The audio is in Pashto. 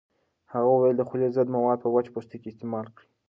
هغه وویل د خولې ضد مواد په وچ پوستکي استعمال کړئ.